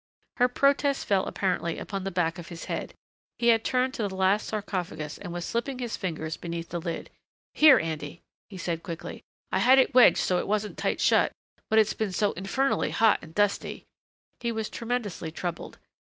Her protest fell apparently upon the back of his head. He had turned to the last sarcophagus and was slipping his fingers beneath the lid. "Here, Andy," he said quickly. "I had it wedged so it wasn't tight shut, but it's been so infernally hot and dusty " He was tremendously troubled.